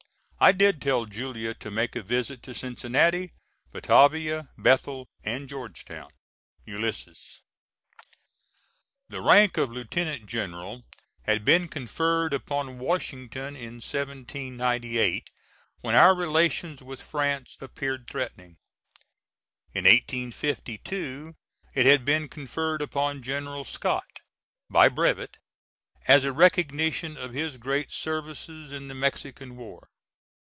I did tell Julia to make a visit to Cincinnati, Batavia, Bethel and Georgetown. ULYSSES. [The rank of Lieutenant General had been conferred upon Washington in 1798 when our relations with France appeared threatening. In 1852, it had been conferred upon General Scott, by brevet, as a recognition of his great services in the Mexican War.